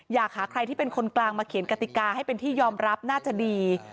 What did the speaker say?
อยากหาใครที่เป็นคนกลางมาเขียนกติกาให้เป็นที่ยอมรับน่าจะดี